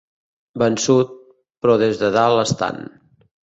Vençut, però des de dalt estant.